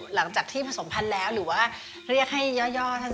หลังจากที่ผสมพันธุ์แล้วหรือว่าเรียกให้ย่อท่าน